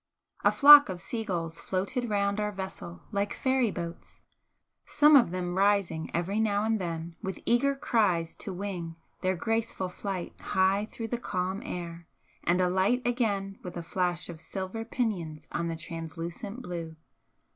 A flock of sea gulls floated round our vessel, like fairy boats some of them rising every now and then with eager cries to wing their graceful flight high through the calm air, and alight again with a flash of silver pinions on the translucent blue.